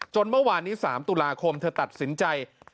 เมื่อวานนี้๓ตุลาคมเธอตัดสินใจ